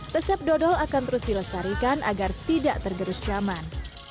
resep dodol akan terus dilestarikan agar tidak tergerus zaman